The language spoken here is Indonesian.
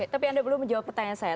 tapi anda belum menjawab pertanyaan saya